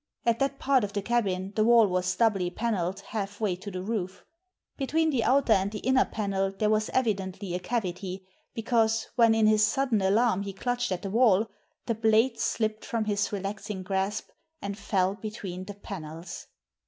At that part of the cabin the wall was doubly panelled half way to the roof. Between the outer and the inner panel there was evidently a cavity, because, when in his sudden alarm he clutched at the wall, the blade slipped from his relaxing grasp and fell between the panels.